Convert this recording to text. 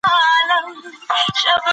دا اړتیا د خلګو لخوا مینه بلل کیږي.